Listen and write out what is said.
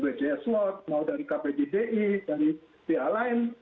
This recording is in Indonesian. itu menjaga itu bahwa yang penting kita memastikan bahwa program ini tetap bisa melayani